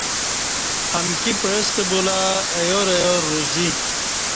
امکی پعستہ بولہ ایارایار روزی